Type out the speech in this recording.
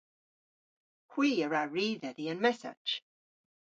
Hwi a wra ri dhedhi an messach.